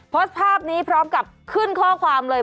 โพสต์ภาพนี้พร้อมกับขึ้นข้อความเลย